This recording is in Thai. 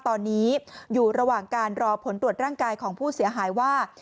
ตอนนี้อยู่ระหว่างการรอผลตรวจร่างกายของผู้เสียหายว่า